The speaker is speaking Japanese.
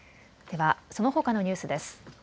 では、そのほかのニュースです。